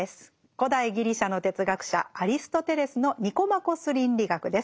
古代ギリシャの哲学者アリストテレスの「ニコマコス倫理学」です。